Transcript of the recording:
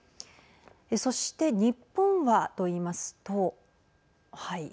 そして日本はと言いますとはい。